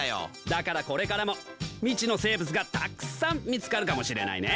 だからこれからも未知の生物がたくさん見つかるかもしれないね。